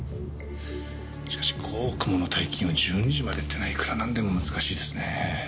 しかし５億もの大金を１２時までってのはいくらなんでも難しいですね。